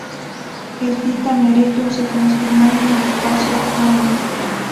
El "Tita Merello" se transformó en el "Espacio Km.